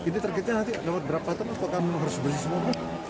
ini tergitnya nanti lewat berapa teman teman harus beri semua